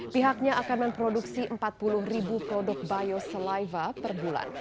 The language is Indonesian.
pihaknya akan memproduksi empat puluh ribu produk biosaliva per bulan